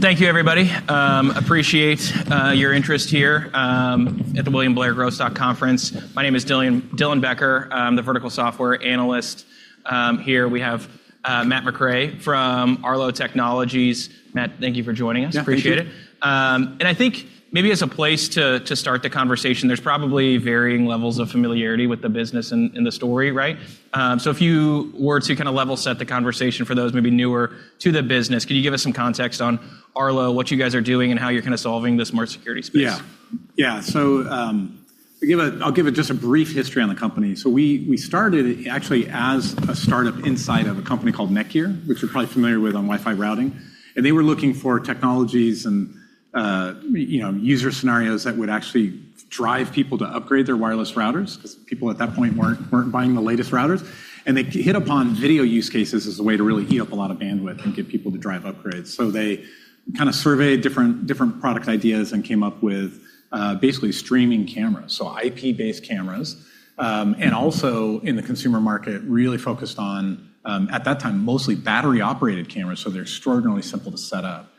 Thank you everybody. Appreciate your interest here at the William Blair Growth Stock Conference. My name is Dylan Becker. I'm the vertical software analyst. Here we have Matt McRae from Arlo Technologies. Matt, thank you for joining us. Yeah, thank you. Appreciate it. I think maybe as a place to start the conversation, there's probably varying levels of familiarity with the business and the story, right? If you were to level set the conversation for those maybe newer to the business, could you give us some context on Arlo, what you guys are doing, and how you're solving this smart security space? Yeah. I'll give just a brief history on the company. We started actually as a startup inside of a company called Netgear, which you're probably familiar with on Wi-Fi routing. They were looking for technologies and user scenarios that would actually drive people to upgrade their wireless routers, because people at that point weren't buying the latest routers. They hit upon video use cases as a way to really eat up a lot of bandwidth and get people to drive upgrades. They surveyed different product ideas and came up with basically streaming cameras, so IP-based cameras. Also in the consumer market, really focused on, at that time, mostly battery-operated cameras, so they're extraordinarily simple to set up.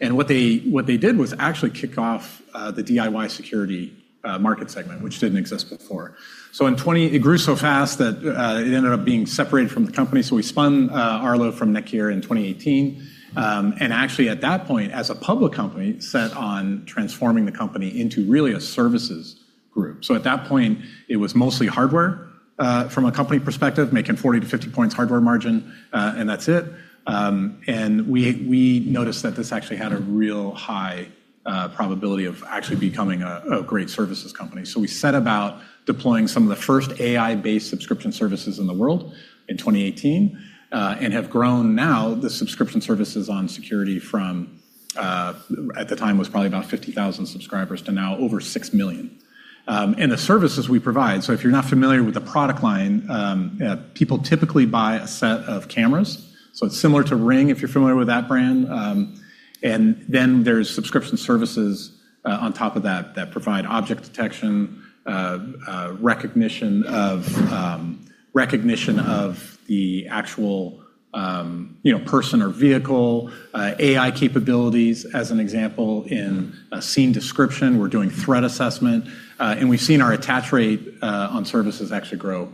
What they did was actually kick off the DIY security market segment, which didn't exist before. It grew so fast that it ended up being separated from the company, so we spun Arlo from Netgear in 2018. Actually at that point, as a public company, set on transforming the company into really a services group. At that point, it was mostly hardware from a company perspective, making 40 to 50 points hardware margin, and that's it. We noticed that this actually had a real high probability of actually becoming a great services company. We set about deploying some of the first AI-based subscription services in the world in 2018 and have grown now the subscription services on security from, at the time was probably about 50,000 subscribers to now over 6 million. The services we provide, so if you're not familiar with the product line, people typically buy a set of cameras. It's similar to Ring, if you're familiar with that brand. There's subscription services on top of that provide object detection, recognition of the actual person or vehicle, AI capabilities. As an example, in scene description, we're doing threat assessment. We've seen our attach rate on services actually grow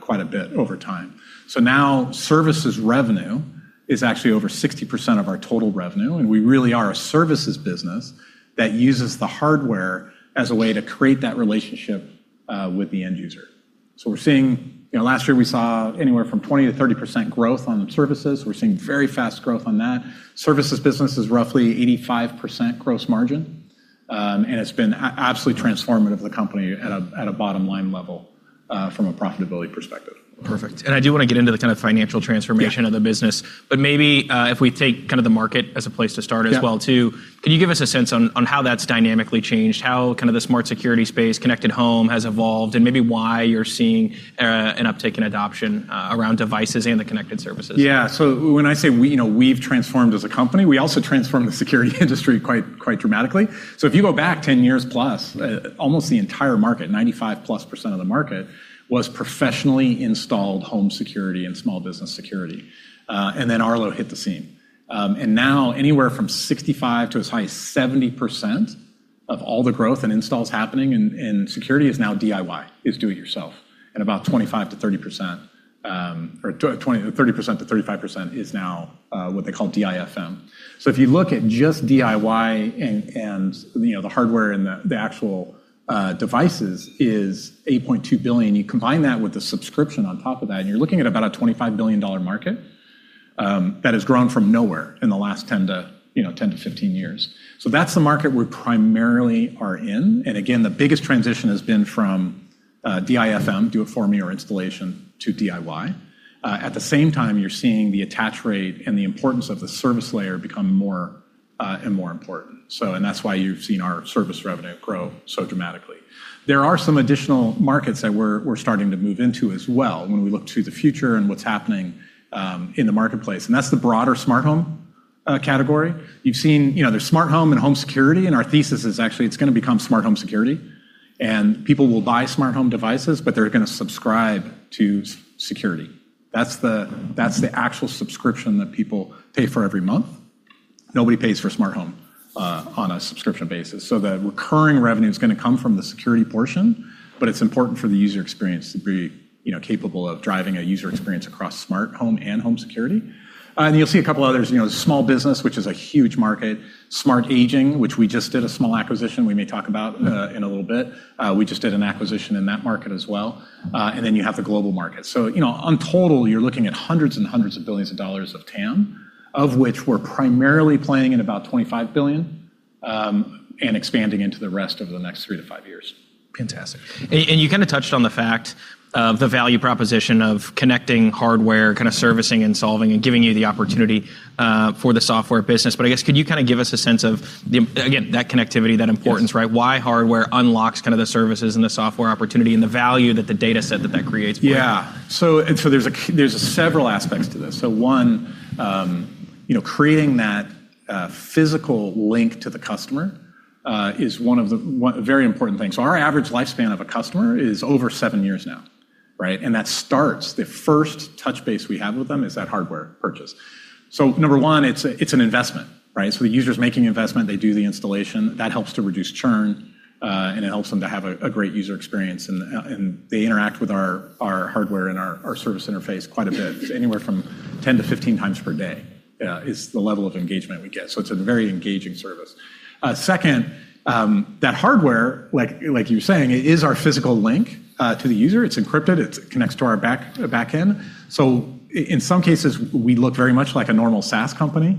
quite a bit over time. Now services revenue is actually over 60% of our total revenue, and we really are a services business that uses the hardware as a way to create that relationship with the end user. Last year, we saw anywhere from 20%-30% growth on services. We're seeing very fast growth on that. Services business is roughly 85% gross margin. It's been absolutely transformative for the company at a bottom-line level from a profitability perspective. Perfect. I do want to get into the kind of financial transformation. Yeah of the business. Maybe if we take the market as a place to start as well too. Yeah. Can you give us a sense on how that's dynamically changed, how the smart security space, connected home, has evolved, and maybe why you're seeing an uptick in adoption around devices and the connected services? Yeah. When I say we've transformed as a company, we also transformed the security industry quite dramatically. If you go back 10 years plus, almost the entire market, 95% plus of the market, was professionally installed home security and small business security. Arlo hit the scene. Now anywhere from 65%-70% of all the growth and installs happening in security is now DIY, is do it yourself. About 25%-30%, or 30%-35% is now what they call DIFM. If you look at just DIY and the hardware and the actual devices is $8.2 billion. You combine that with the subscription on top of that, and you're looking at about a $25 billion market that has grown from nowhere in the last 10-15 years. That's the market we primarily are in. Again, the biggest transition has been from DIFM, do it for me, or installation, to DIY. At the same time, you're seeing the attach rate and the importance of the service layer become more and more important. That's why you've seen our service revenue grow so dramatically. There are some additional markets that we're starting to move into as well when we look to the future and what's happening in the marketplace, and that's the broader smart home category. You've seen there's smart home and home security, and our thesis is actually it's going to become smart home security. People will buy smart home devices, but they're going to subscribe to security. That's the actual subscription that people pay for every month. Nobody pays for smart home on a subscription basis. The recurring revenue is going to come from the security portion, but it's important for the user experience to be capable of driving a user experience across smart home and home security. You'll see a couple others. Small business, which is a huge market. Smart aging, which we just did a small acquisition we may talk about in a little bit. We just did an acquisition in that market as well. You have the global market. In total, you're looking at hundreds and hundreds of billions of dollars of TAM, of which we're primarily playing in about $25 billion, and expanding into the rest over the next three to five years. Fantastic. You touched on the fact of the value proposition of connecting hardware, servicing and solving, and giving you the opportunity for the software business. I guess, could you give us a sense of, again, that connectivity, that importance, right? Yes. Why hardware unlocks the services and the software opportunity, and the value that the dataset that that creates for you. Yeah. There's several aspects to this. One, creating that physical link to the customer is one of the very important things. Our average lifespan of a customer is over seven years now. That starts the first touch base we have with them is that hardware purchase. Number one, it's an investment. The user's making an investment, they do the installation. That helps to reduce churn, and it helps them to have a great user experience. They interact with our hardware and our service interface quite a bit. Anywhere from 10 to 15 times per day is the level of engagement we get. It's a very engaging service. Second, that hardware, like you were saying, is our physical link to the user. It's encrypted. It connects to our back end. In some cases, we look very much like a normal SaaS company.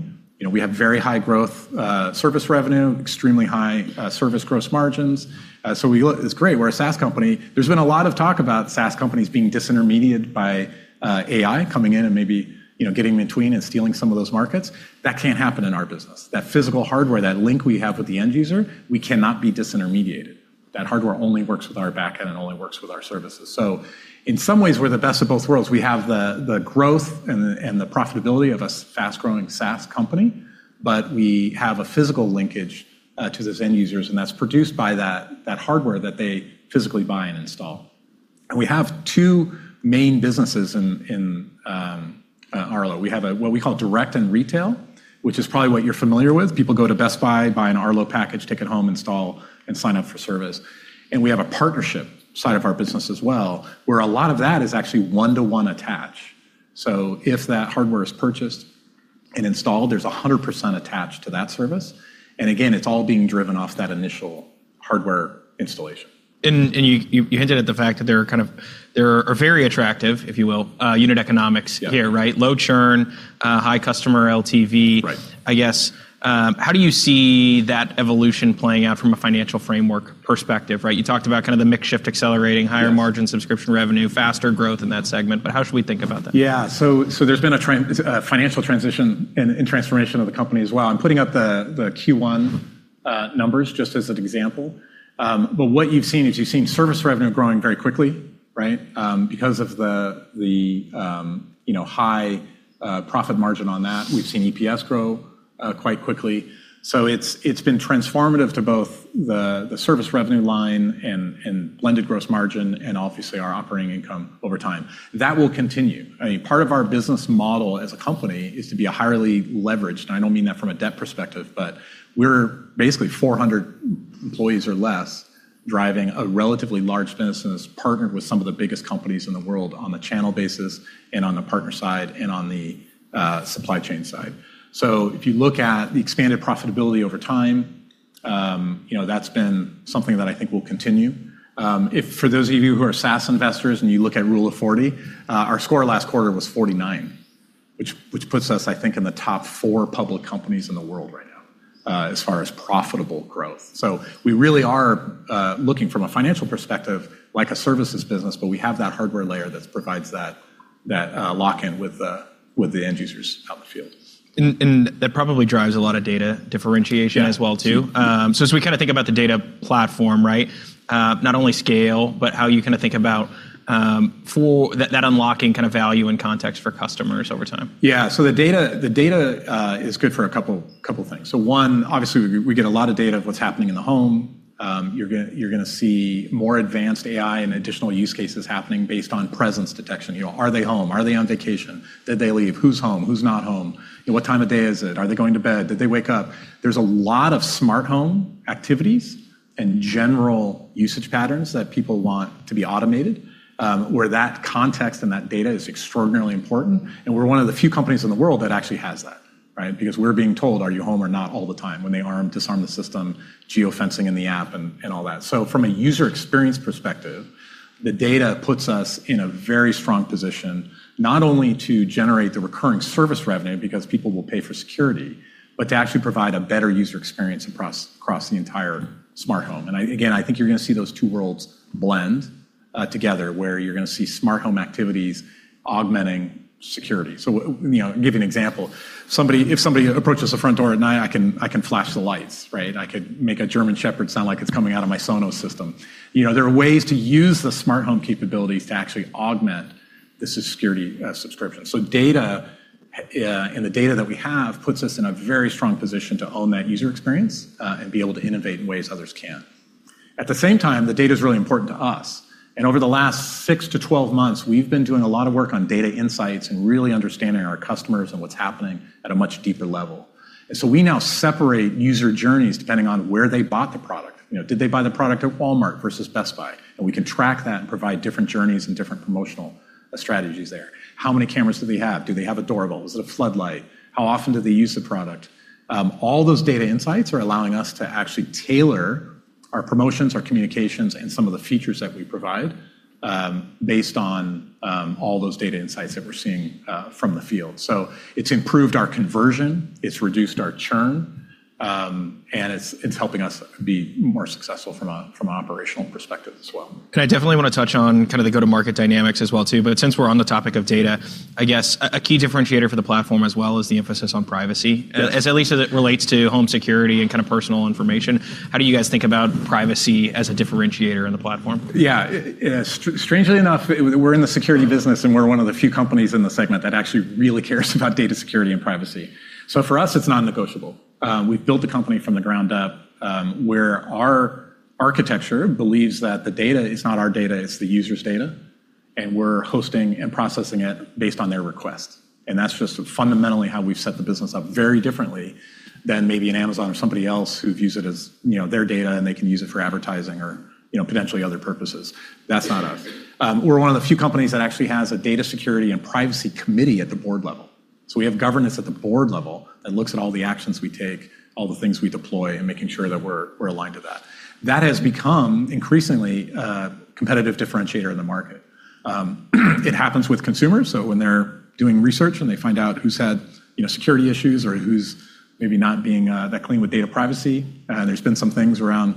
We have very high growth service revenue, extremely high service gross margins. It's great. We're a SaaS company. There's been a lot of talk about SaaS companies being disintermediated by AI coming in and maybe getting in between and stealing some of those markets. That can't happen in our business. That physical hardware, that link we have with the end user, we cannot be disintermediated. That hardware only works with our back end and only works with our services. In some ways, we're the best of both worlds. We have the growth and the profitability of a fast-growing SaaS company, but we have a physical linkage to those end users, and that's produced by that hardware that they physically buy and install. We have two main businesses in Arlo. We have what we call direct and retail, which is probably what you're familiar with. People go to Best Buy, buy an Arlo package, take it home, install, and sign up for service. We have a partnership side of our business as well, where a lot of that is actually one-to-one attach. If that hardware is purchased and installed, there's 100% attach to that service. Again, it's all being driven off that initial hardware installation. You hinted at the fact that there are very attractive, if you will, unit economics here. Yeah. Low churn, high customer LTV. Right. How do you see that evolution playing out from a financial framework perspective? You talked about the mix shift accelerating. Yes Higher margin subscription revenue, faster growth in that segment. How should we think about that? Yeah. There's been a financial transition and transformation of the company as well, and putting up the Q1 numbers just as an example. What you've seen is you've seen service revenue growing very quickly. Because of the high profit margin on that, we've seen EPS grow quite quickly. It's been transformative to both the service revenue line and blended gross margin and obviously our operating income over time. That will continue. Part of our business model as a company is to be highly leveraged, and I don't mean that from a debt perspective, but we're basically 400 employees or less driving a relatively large business partnered with some of the biggest companies in the world on a channel basis and on the partner side and on the supply chain side. If you look at the expanded profitability over time, that's been something that I think will continue. For those of you who are SaaS investors and you look at Rule of 40, our score last quarter was 49, which puts us, I think, in the top four public companies in the world right now as far as profitable growth. We really are looking from a financial perspective like a services business, but we have that hardware layer that provides that lock-in with the end users out in the field. That probably drives a lot of data differentiation. Yeah as well too. As we think about the data platform, not only scale, but how you think about that unlocking value and context for customers over time. The data is good for a couple things. One, obviously, we get a lot of data of what's happening in the home. You're going to see more advanced AI and additional use cases happening based on presence detection. Are they home? Are they on vacation? Did they leave? Who's home? Who's not home? What time of day is it? Are they going to bed? Did they wake up? There's a lot of smart home activities and general usage patterns that people want to be automated, where that context and that data is extraordinarily important, and we're one of the few companies in the world that actually has that. Because we're being told, "Are you home or not?" all the time when they arm, disarm the system, geofencing in the app, and all that. From a user experience perspective, the data puts us in a very strong position, not only to generate the recurring service revenue because people will pay for security, but to actually provide a better user experience across the entire smart home. Again, I think you're going to see those two worlds blend together, where you're going to see smart home activities augmenting security. I'll give you an example. If somebody approaches the front door at night, I can flash the lights. I could make a German Shepherd sound like it's coming out of my Sonos system. There are ways to use the smart home capabilities to actually augment the security subscription. The data that we have puts us in a very strong position to own that user experience and be able to innovate in ways others can't. At the same time, the data's really important to us. Over the last 6-12 months, we've been doing a lot of work on data insights and really understanding our customers and what's happening at a much deeper level. We now separate user journeys depending on where they bought the product. Did they buy the product at Walmart versus Best Buy? We can track that and provide different journeys and different promotional strategies there. How many cameras do they have? Do they have a doorbell? Is it a floodlight? How often do they use the product? All those data insights are allowing us to actually tailor our promotions, our communications, and some of the features that we provide, based on all those data insights that we're seeing from the field. It's improved our conversion, it's reduced our churn, and it's helping us be more successful from an operational perspective as well. I definitely want to touch on the go-to-market dynamics as well too, but since we're on the topic of data, I guess a key differentiator for the platform as well is the emphasis on privacy. Yes. At least as it relates to home security and personal information. How do you guys think about privacy as a differentiator in the platform? Yeah. Strangely enough, we're in the security business, and we're one of the few companies in the segment that actually really cares about data security and privacy. For us, it's non-negotiable. We've built the company from the ground up, where our architecture believes that the data is not our data, it's the user's data, and we're hosting and processing it based on their request. That's just fundamentally how we've set the business up very differently than maybe an Amazon or somebody else who views it as their data, and they can use it for advertising or potentially other purposes. That's not us. We're one of the few companies that actually has a data security and privacy committee at the board level. We have governance at the board level that looks at all the actions we take, all the things we deploy, and making sure that we're aligned with that. That has become increasingly a competitive differentiator in the market. It happens with consumers, so when they're doing research and they find out who's had security issues or who's maybe not being that clean with data privacy. There's been some things around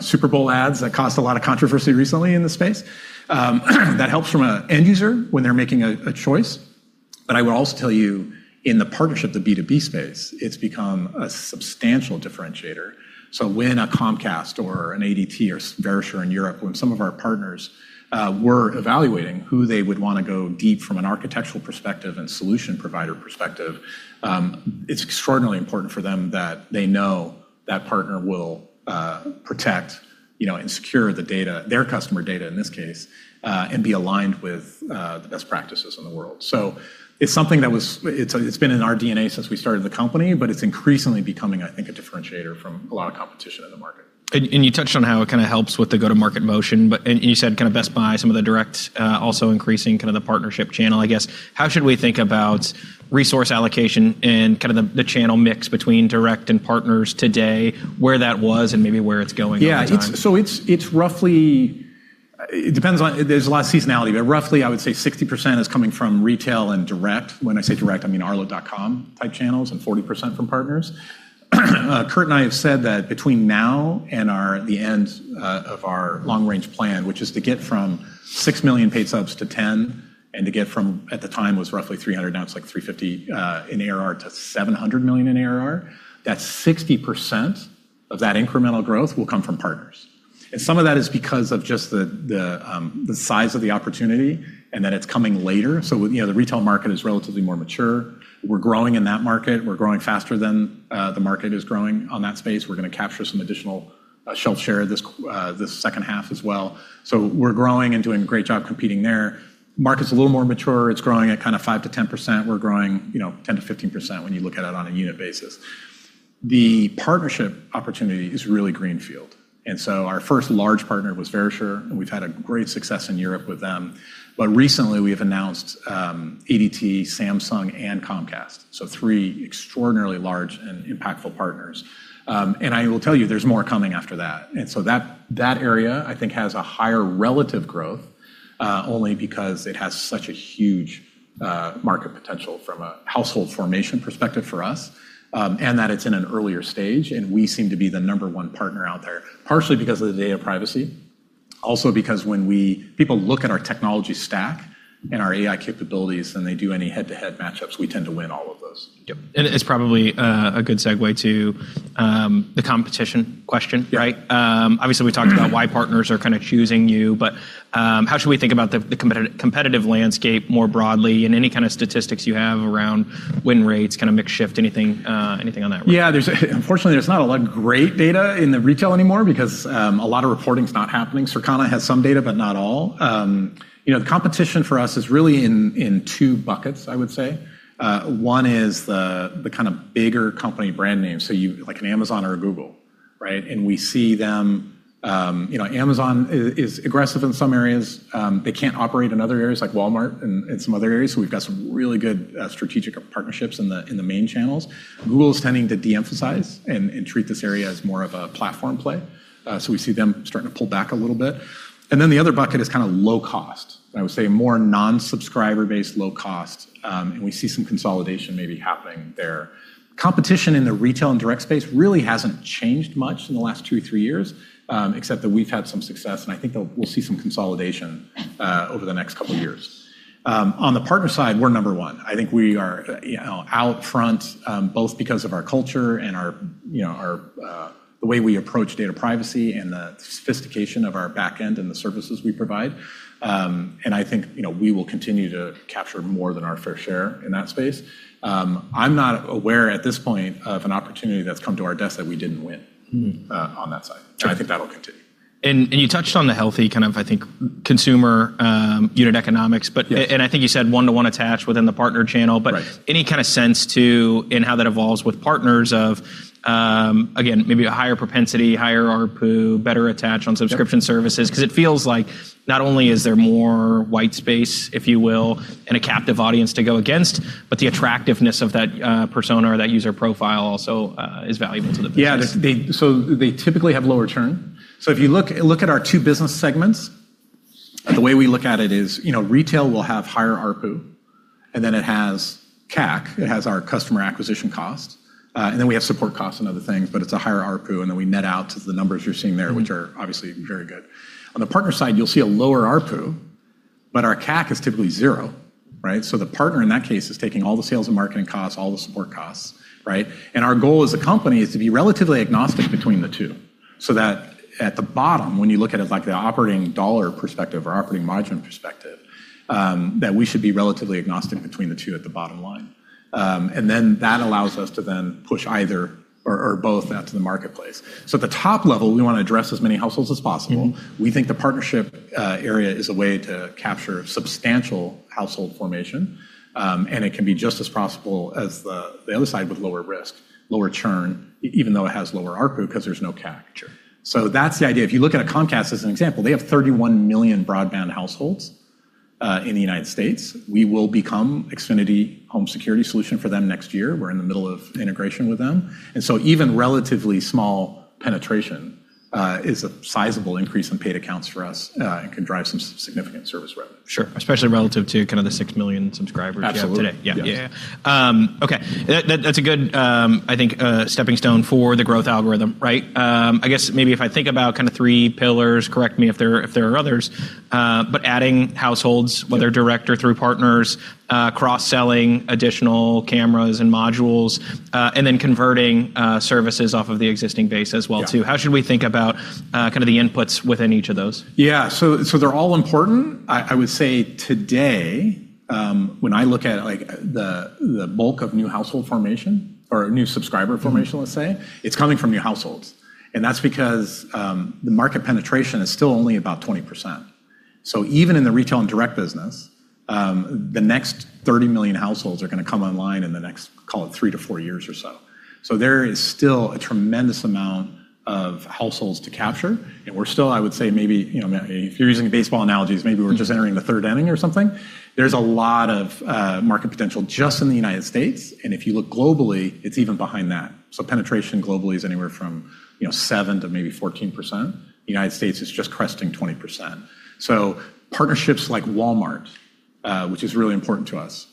Super Bowl ads that caused a lot of controversy recently in the space. That helps from an end user when they're making a choice. I would also tell you, in the partnership, the B2B space, it's become a substantial differentiator. When a Comcast or an ADT or Verisure in Europe, when some of our partners were evaluating who they would want to go deep from an architectural perspective and solution provider perspective, it's extraordinarily important for them that they know that partner will protect and secure the data, their customer data in this case, and be aligned with the best practices in the world. It's something that's been in our DNA since we started the company, but it's increasingly becoming, I think, a differentiator from a lot of competition in the market. You touched on how it kind of helps with the go-to-market motion, and you said Best Buy, some of the direct, also increasing the partnership channel, I guess. How should we think about resource allocation and the channel mix between direct and partners today, where that was and maybe where it's going over time? There's a lot of seasonality, roughly I would say 60% is coming from retail and direct. When I say direct, I mean arlo.com type channels and 40% from partners. Kurt and I have said that between now and the end of our long-range plan, which is to get from 6 million paid subs to 10, and to get from, at the time, was roughly $300, now it's like $350 in ARR to $700 million in ARR. 60% of that incremental growth will come from partners. Some of that is because of just the size of the opportunity and that it's coming later. The retail market is relatively more mature. We're growing in that market. We're growing faster than the market is growing on that space. We're going to capture some additional shelf share this second half as well. We're growing and doing a great job competing there. Market's a little more mature. It's growing at 5%-10%. We're growing 10%-15% when you look at it on a unit basis. The partnership opportunity is really greenfield. Our first large partner was Verisure, and we've had great success in Europe with them. Recently we have announced ADT, Samsung, and Comcast. Three extraordinarily large and impactful partners. I will tell you, there's more coming after that. That area, I think, has a higher relative growth, only because it has such a huge market potential from a household formation perspective for us. That it's in an earlier stage, and we seem to be the number one partner out there. Partially because of the data privacy. Because when people look at our technology stack and our AI capabilities and they do any head-to-head matchups, we tend to win all of those. Yep. It's probably a good segue to the competition question, right? Yeah. Obviously, we talked about why partners are choosing you, but how should we think about the competitive landscape more broadly and any kind of statistics you have around win rates, kind of mix shift, anything on that front? Yeah. Unfortunately, there's not a lot of great data in the retail anymore because a lot of reporting's not happening. Circana has some data, but not all. The competition for us is really in two buckets, I would say. One is the kind of bigger company brand names, so like an Amazon or a Google, right? Amazon is aggressive in some areas. They can't operate in other areas like Walmart and some other areas, so we've got some really good strategic partnerships in the main channels. Google is tending to de-emphasize and treat this area as more of a platform play. We see them starting to pull back a little bit. Then the other bucket is kind of low cost, I would say more non-subscriber based low cost. We see some consolidation maybe happening there. Competition in the retail and direct space really hasn't changed much in the last two, three years, except that we've had some success, and I think that we'll see some consolidation over the next couple of years. On the partner side, we're Number 1. I think we are out front, both because of our culture and the way we approach data privacy and the sophistication of our back end and the services we provide. I think we will continue to capture more than our fair share in that space. I'm not aware at this point of an opportunity that's come to our desk that we didn't win. on that side. I think that'll continue. You touched on the healthy kind of, I think, consumer unit economics. Yes. I think you said one to one attach within the partner channel. Right. Any kind of sense, too, in how that evolves with partners of, again, maybe a higher propensity, higher ARPU, better attach on subscription services? Yep. It feels like not only is there more white space, if you will, and a captive audience to go against, but the attractiveness of that persona or that user profile also is valuable to the business. Yeah. They typically have lower churn. If you look at our two business segments, the way we look at it is retail will have higher ARPU, and then it has CAC, it has our customer acquisition cost, and then we have support costs and other things, but it's a higher ARPU, and then we net out to the numbers you're seeing there. which are obviously very good. On the partner side, you'll see a lower ARPU. Our CAC is typically zero. Right? The partner in that case is taking all the sales and marketing costs, all the support costs, right? Our goal as a company is to be relatively agnostic between the two. At the bottom, when you look at it like the operating dollar perspective or operating margin perspective, we should be relatively agnostic between the two at the bottom line. That allows us to then push either or both out to the marketplace. At the top level, we want to address as many households as possible. We think the partnership area is a way to capture substantial household formation. It can be just as possible as the other side with lower risk, lower churn, even though it has lower ARPU because there's no CAC. That's the idea. If you look at a Comcast as an example, they have 31 million broadband households in the U.S. We will become Xfinity home security solution for them next year. We're in the middle of integration with them. Even relatively small penetration is a sizable increase in paid accounts for us and can drive some significant service revenue. Sure. Especially relative to kind of the 6 million subscribers. Absolutely you have today. Yes. Yeah. Okay. That's a good, I think, stepping stone for the growth algorithm, right? I guess maybe if I think about kind of three pillars, correct me if there are others, adding households- Yeah whether direct or through partners, cross-selling additional cameras and modules, and then converting services off of the existing base as well too. Yeah. How should we think about kind of the inputs within each of those? Yeah. They're all important. I would say today, when I look at the bulk of new household formation or new subscriber formation, let's say, it's coming from new households. That's because the market penetration is still only about 20%. Even in the retail and direct business, the next 30 million households are going to come online in the next, call it three to four years or so. There is still a tremendous amount of households to capture, and we're still, I would say, if you're using baseball analogies, maybe we're just entering the third inning or something. There's a lot of market potential just in the United States. If you look globally, it's even behind that. Penetration globally is anywhere from seven to maybe 14%. United States is just cresting 20%. Partnerships like Walmart, which is really important to us,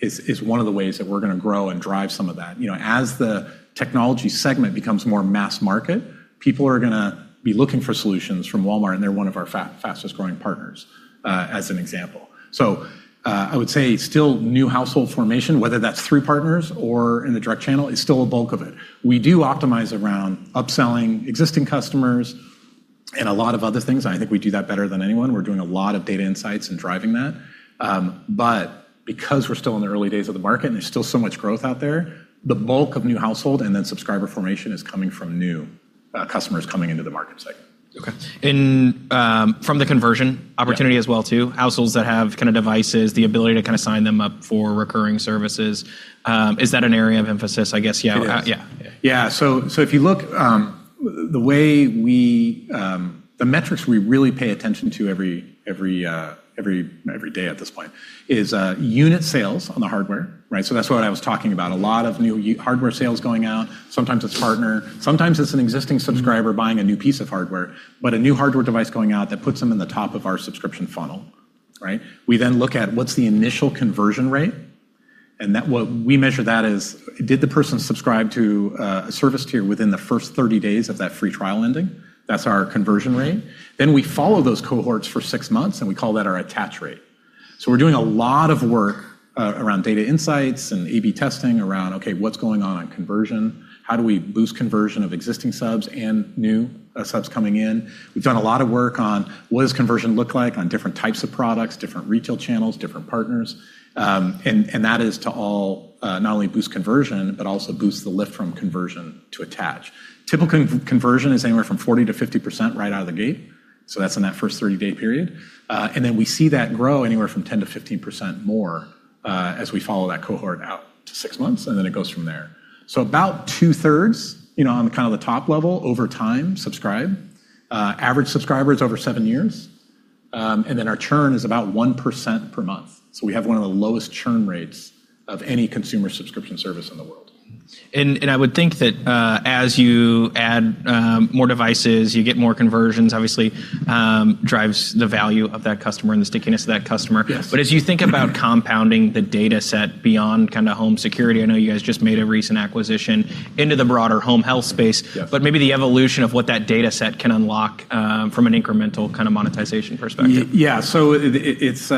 is one of the ways that we're going to grow and drive some of that. As the technology segment becomes more mass market, people are going to be looking for solutions from Walmart, and they're one of our fastest-growing partners, as an example. I would say still new household formation, whether that's through partners or in the direct channel, is still a bulk of it. We do optimize around upselling existing customers and a lot of other things, and I think we do that better than anyone. We're doing a lot of data insights and driving that. Because we're still in the early days of the market and there's still so much growth out there, the bulk of new household and then subscriber formation is coming from new customers coming into the market segment. Okay. Yeah as well too, households that have kind of devices, the ability to sign them up for recurring services. Is that an area of emphasis, I guess? Yeah. It is. Yeah. Yeah. If you look, the metrics we really pay attention to every day at this point is unit sales on the hardware, right? That's what I was talking about. A lot of new hardware sales going out. Sometimes it's partner, sometimes it's an existing subscriber buying a new piece of hardware. A new hardware device going out, that puts them in the top of our subscription funnel, right? We look at what's the initial conversion rate, and we measure that as did the person subscribe to a service tier within the first 30 days of that free trial ending? That's our conversion rate. We follow those cohorts for six months, and we call that our attach rate. We're doing a lot of work around data insights and A/B testing around, okay, what's going on conversion? How do we boost conversion of existing subs and new subs coming in? We've done a lot of work on what does conversion look like on different types of products, different retail channels, different partners. That is to all, not only boost conversion but also boost the lift from conversion to attach. Typical conversion is anywhere from 40%-50% right out of the gate. That's in that first 30-day period. Then we see that grow anywhere from 10%-15% more, as we follow that cohort out to six months, and then it goes from there. About two-thirds on the kind of the top level over time subscribe. Average subscriber is over seven years. Then our churn is about 1% per month. We have one of the lowest churn rates of any consumer subscription service in the world. I would think that, as you add more devices, you get more conversions, obviously, drives the value of that customer and the stickiness of that customer. Yes. As you think about compounding the data set beyond kind of home security, I know you guys just made a recent acquisition into the broader home health space. Yeah. Maybe the evolution of what that data set can unlock, from an incremental kind of monetization perspective. Yeah. That's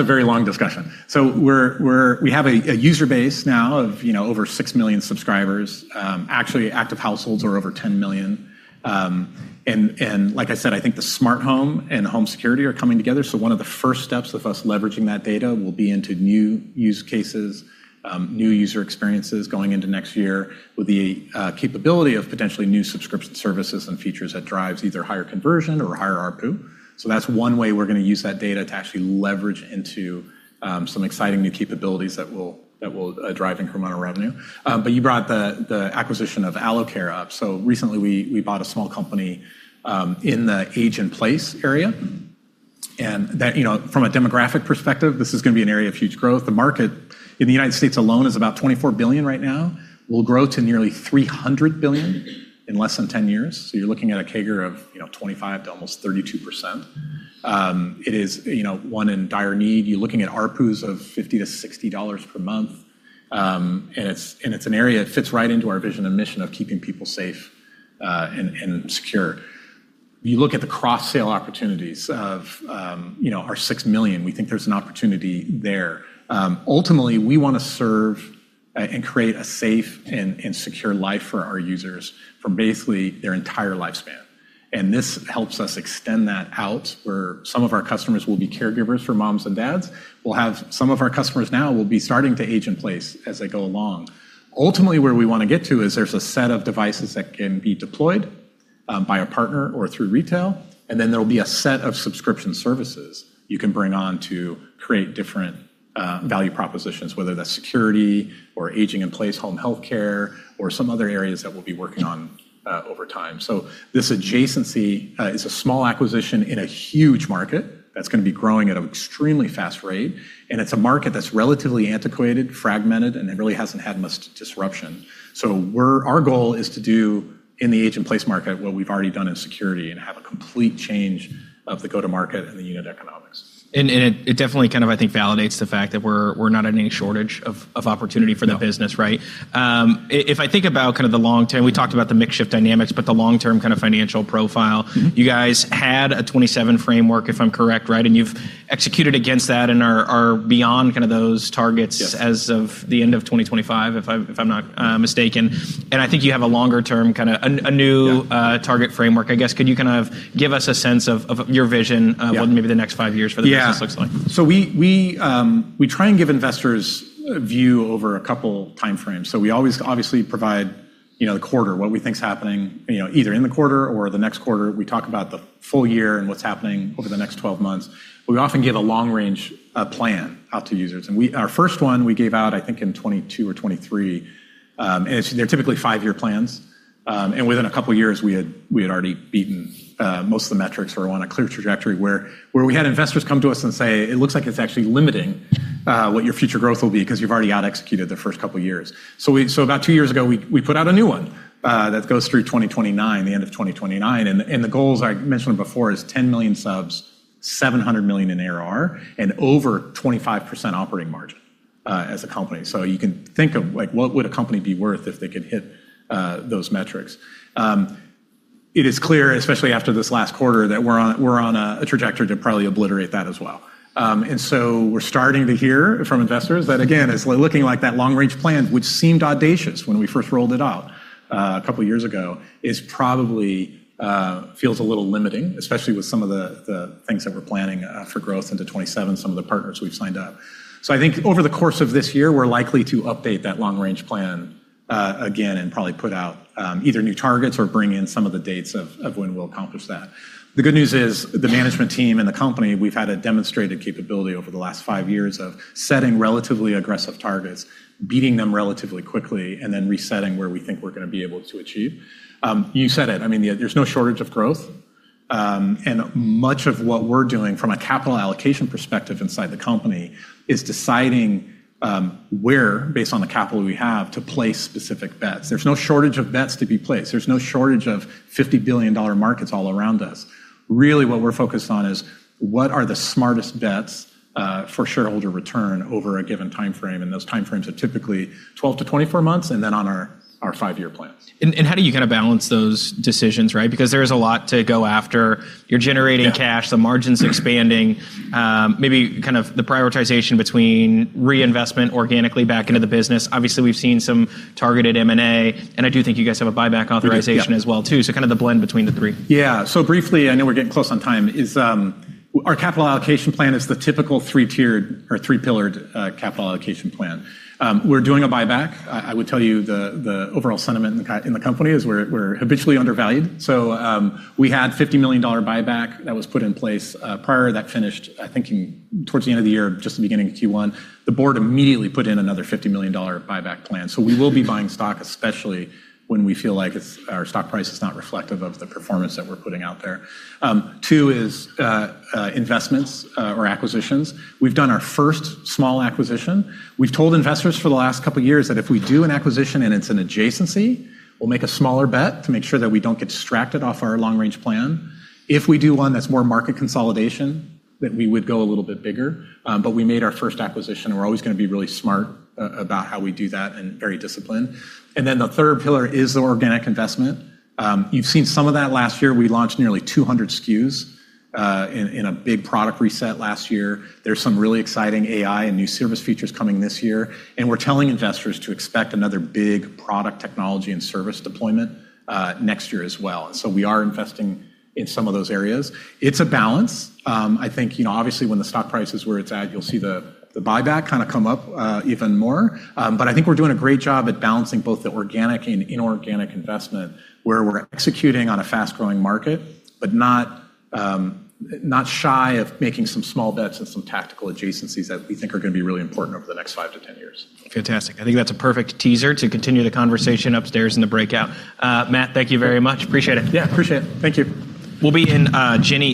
a very long discussion. We have a user base now of over 6 million subscribers. Actually, active households are over 10 million. Like I said, I think the smart home and the home security are coming together, one of the first steps of us leveraging that data will be into new use cases, new user experiences going into next year with the capability of potentially new subscription services and features that drives either higher conversion or higher ARPU. That's one way we're going to use that data to actually leverage into some exciting new capabilities that will drive incremental revenue. You brought the acquisition of Aloe Care up. Recently, we bought a small company in the age-in-place area. From a demographic perspective, this is going to be an area of huge growth. The market in the U.S. alone is about $24 billion right now, will grow to nearly $300 billion in less than 10 years. You're looking at a CAGR of 25%-32%. It is one in dire need. You're looking at ARPUs of $50-$60 per month. It's an area that fits right into our vision and mission of keeping people safe and secure. You look at the cross-sale opportunities of our six million, we think there's an opportunity there. Ultimately, we want to serve and create a safe and secure life for our users for basically their entire lifespan. This helps us extend that out, where some of our customers will be caregivers for moms and dads. We'll have some of our customers now will be starting to age in place as they go along. Ultimately, where we want to get to is there's a set of devices that can be deployed by a partner or through retail, and then there will be a set of subscription services you can bring on to create different value propositions, whether that's security or aging in place, home health care, or some other areas that we'll be working on over time. This adjacency is a small acquisition in a huge market that's going to be growing at an extremely fast rate, and it's a market that's relatively antiquated, fragmented, and it really hasn't had much disruption. Our goal is to do in the age-in-place market what we've already done in security and have a complete change of the go-to-market and the unit economics. It definitely, I think, validates the fact that we're not at any shortage of opportunity for the business, right? No. If I think about the long term, we talked about the mix-shift dynamics, the long-term kind of financial profile. You guys had a 27 framework, if I'm correct, right? You've executed against that and are beyond those targets. Yes as of the end of 2025, if I'm not mistaken. Yeah target framework, I guess. Could you give us a sense of your vision-? Yeah of maybe the next five years for the business looks like? Yeah. We try and give investors a view over a couple time frames. We always obviously provide the quarter, what we think's happening either in the quarter or the next quarter. We talk about the full year and what's happening over the next 12 months. We often give a long-range plan out to users, and our first one we gave out, I think, in 2022 or 2023. They're typically five-year plans. Within a couple of years, we had already beaten most of the metrics. We're on a clear trajectory where we had investors come to us and say, "It looks like it's actually limiting what your future growth will be because you've already outexecuted the first couple of years." About two years ago, we put out a new one that goes through 2029, the end of 2029. The goals I mentioned before is 10 million subs, $700 million in ARR, and over 25% operating margin as a company. You can think of what would a company be worth if they could hit those metrics? It is clear, especially after this last quarter, that we're on a trajectory to probably obliterate that as well. We're starting to hear from investors that, again, it's looking like that long-range plan, which seemed audacious when we first rolled it out a couple of years ago, probably feels a little limiting, especially with some of the things that we're planning for growth into 2027, some of the partners we've signed up. I think over the course of this year, we're likely to update that long-range plan again and probably put out either new targets or bring in some of the dates of when we'll accomplish that. The good news is the management team and the company, we've had a demonstrated capability over the last five years of setting relatively aggressive targets, beating them relatively quickly, and then resetting where we think we're going to be able to achieve. You said it, there's no shortage of growth. Much of what we're doing from a capital allocation perspective inside the company is deciding where, based on the capital we have, to place specific bets. There's no shortage of bets to be placed. There's no shortage of $50 billion markets all around us. Really, what we're focused on is, what are the smartest bets for shareholder return over a given time frame? Those time frames are typically 12-24 months, and then on our five-year plans. How do you balance those decisions, right? There is a lot to go after. You're generating cash. Yeah the margin's expanding. Maybe the prioritization between reinvestment organically back into the business. Obviously, we've seen some targeted M&A, and I do think you guys have a buyback authorization as well too. The blend between the three. Yeah. Briefly, I know we're getting close on time, our capital allocation plan is the typical three-tiered or three-pillared capital allocation plan. We're doing a buyback. I would tell you the overall sentiment in the company is we're habitually undervalued. We had a $50 million buyback that was put in place. Prior to that finished, I think towards the end of the year, just the beginning of Q1, the board immediately put in another $50 million buyback plan. We will be buying stock, especially when we feel like our stock price is not reflective of the performance that we're putting out there. Two is investments or acquisitions. We've done our first small acquisition. We've told investors for the last couple of years that if we do an acquisition and it's an adjacency, we'll make a smaller bet to make sure that we don't get distracted off our long-range plan. If we do one that's more market consolidation, then we would go a little bit bigger. We made our first acquisition, and we're always going to be really smart about how we do that and very disciplined. Then the third pillar is the organic investment. You've seen some of that last year. We launched nearly 200 SKUs in a big product reset last year. There's some really exciting AI and new service features coming this year. We're telling investors to expect another big product technology and service deployment next year as well. So, we are investing in some of those areas. It's a balance. I think obviously, when the stock price is where it's at, you'll see the buyback come up even more. I think we're doing a great job at balancing both the organic and inorganic investment, where we're executing on a fast-growing market, but not shy of making some small bets and some tactical adjacencies that we think are going to be really important over the next five to 10 years. Fantastic. I think that's a perfect teaser to continue the conversation upstairs in the breakout. Matt, thank you very much. Appreciate it. Yeah, appreciate it. Thank you. We'll be in Jenny.